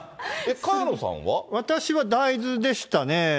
私は大豆でしたね。